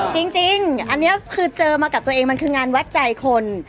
จริงอันนี้คือเจอมากับตัวเองมันคืองานวัดใจคน